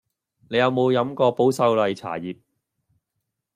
你有無飲過保秀麗茶葉